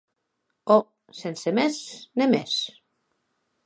Òc, sense mès ne mès.